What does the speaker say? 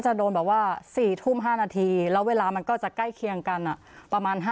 โดนแบบว่า๔ทุ่ม๕นาทีแล้วเวลามันก็จะใกล้เคียงกันประมาณ